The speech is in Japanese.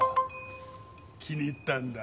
気に入ったんだ。